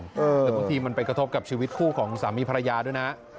แต่บางทีมันไปกระทบกับชีวิตคู่ของสามีภรรยาด้วยนะ